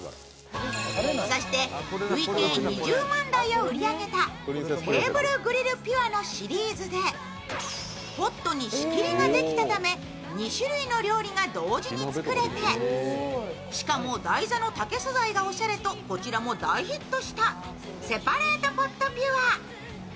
そして累計２０万台を売り上げたテーブルグリルピュアのシリーズでポットに仕切りができたので２種類の料理が同時に作れてしかも台座の竹素材がおしゃれとこちらも大ヒットしたセパレートポットピュア。